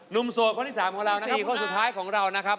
นุ่มโสดข้อที่สามของเราข้อสุดท้ายของเรานะครับ